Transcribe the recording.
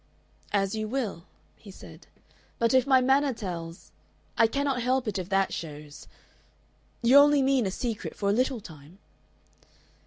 "As you will," he said. "But if my manner tells! I cannot help it if that shows. You only mean a secret for a little time?"